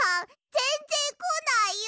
ぜんぜんこないよ！